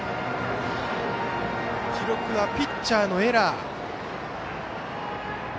記録はピッチャーのエラー。